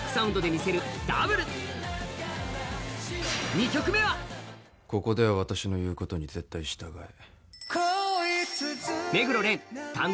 １曲目はここでは私のいうことに絶対従え。